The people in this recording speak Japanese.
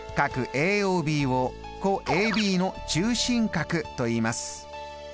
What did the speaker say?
∠ＡＯＢを弧ＡＢの中心角といいます。